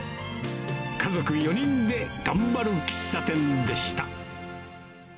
家族４人で頑張る喫茶店でした。